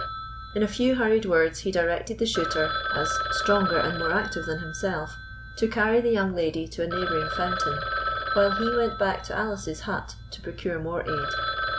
In a few hurried words he directed the shooter, as stronger and more active than himself, to carry the young lady to a neighbouring fountain, while he went back to Alice's hut to procure more aid.